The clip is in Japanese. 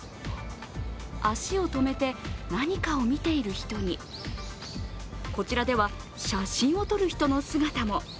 足を止めて何かを見ている人にこちらでは写真を撮る人の姿も。